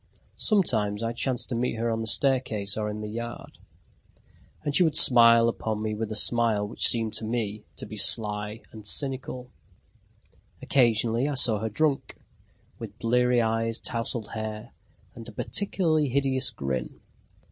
Sometimes I chanced to meet her on the staircase or in the yard, and she would smile upon me with a smile which seemed to me to be sly and cynical. Occasionally, I saw her drunk, with bleary eyes, tousled hair, and a particularly hideous grin.